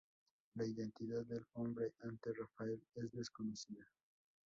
La identidad del hombre ante Rafael es desconocida.